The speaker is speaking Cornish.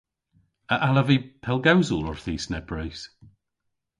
A allav vy pellgewsel orthis nepprys?